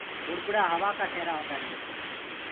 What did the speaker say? بُڙبُڙآ هوآ ڪآ ٽيرآ هوندآ هينٚ۔